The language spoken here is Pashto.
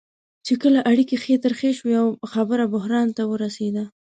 چې کله اړیکې ښې ترخې شوې او خبره بحران ته ورسېده.